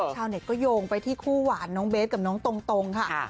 ชาวเน็ตก็โยงไปที่คู่หวานน้องเบสกับน้องตรงค่ะ